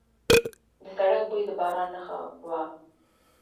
د سړک بوی د باران نښه وه.